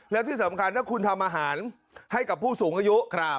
แล้วที่สำคัญถ้าคุณทำอาหารให้กับผู้สูงอายุ